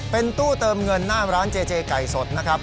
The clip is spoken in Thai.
เป็นตู้เติมเงินหน้าร้านเจเจไก่สดนะครับ